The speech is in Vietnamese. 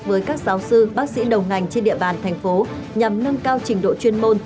với các giáo sư bác sĩ đầu ngành trên địa bàn thành phố nhằm nâng cao trình độ chuyên môn